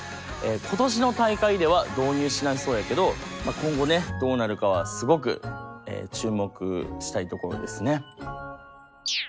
今年の大会では導入しないそうやけど今後ねどうなるかはすごく注目したいところですね。